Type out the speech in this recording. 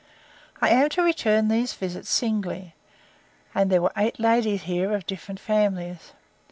I am to return these visits singly; and there were eight ladies here of different families.